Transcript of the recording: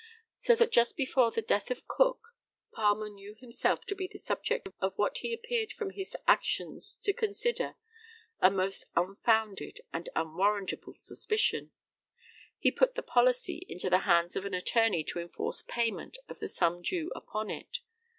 ] So that just before the death of Cook, Palmer knew himself to be the subject of what he appeared from his actions to consider a most unfounded and unwarrantable suspicion. He put the policy into the hands of an attorney to enforce payment of the sum due upon it.